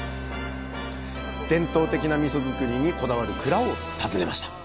伝統的なみそづくりにこだわる蔵を訪ねました